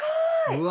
うわ！